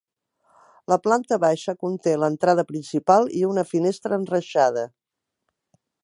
La planta baixa conté l’entrada principal i una finestra enreixada.